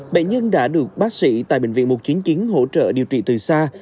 bệnh nhân đã được bác sĩ tại bệnh viện một trăm chín mươi chín hỗ trợ điều trị từ xa